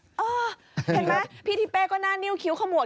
เห็นไหมพี่ทิเป้ก็หน้านิ้วคิ้วขมวด